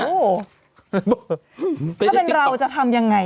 โอ้โหถ้าเป็นเราจะทำยังไง